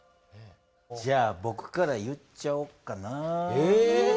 じゃあぼくから言っちゃおっかな。